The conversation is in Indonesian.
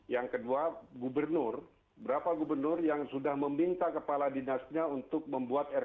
yang kedua gubernur berapa gubernur yang sudah mengeluarkan cap man terhadap juknis untuk kepentingan covid sembilan belas